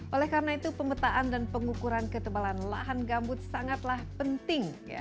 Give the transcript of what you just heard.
oleh karena itu pemetaan dan pengukuran ketebalan lahan gambut sangatlah penting